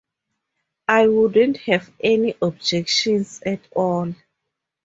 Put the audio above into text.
I wouldn't have any objections at all.